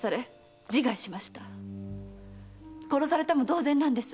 殺されたも同然なんです！